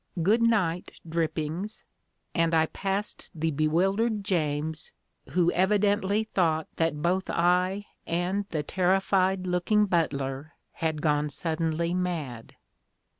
Good night, Drippings," and I passed the bewildered James, who evidently thought that both I and the terrified looking butler had gone suddenly mad.